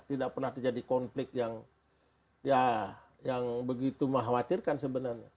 tidak pernah terjadi konflik yang ya yang begitu mengkhawatirkan sebenarnya